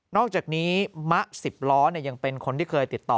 อกจากนี้มะ๑๐ล้อยังเป็นคนที่เคยติดต่อ